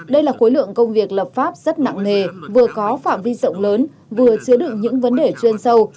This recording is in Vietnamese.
đây là khối lượng công việc lập pháp rất nặng nề vừa có phạm vi rộng lớn vừa chứa đựng những vấn đề chuyên sâu